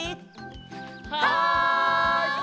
はい！